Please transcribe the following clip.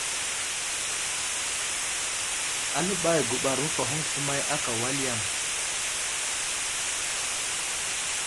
Aləɓay guɓar məfahoŋ sləmay ákà wal yaŋ.